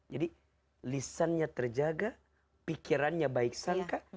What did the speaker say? jadi lisannya terjaga pikirannya baik sangka